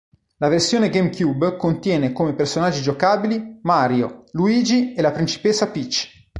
La versione GameCube contiene come personaggi giocabili Mario, Luigi, e la Principessa Peach.